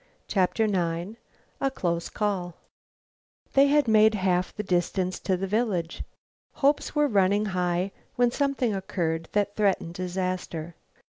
CHAPTER IX A CLOSE CALL They had made half the distance to the village. Hopes were running high, when something occurred which threatened disaster.